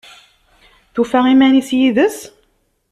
Tufa iman-is yid-s?